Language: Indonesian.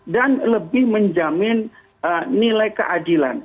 dan lebih menjamin nilai keadilan